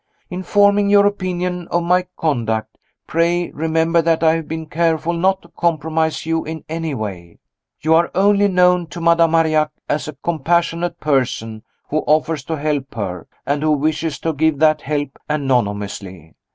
In forming your opinion of my conduct, pray remember that I have been careful not to compromise you in any way. You are only known to Madame Marillac as a compassionate person who offers to help her, and who wishes to give that help anonymously.